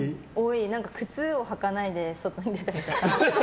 靴を履かないで外に出たりとか。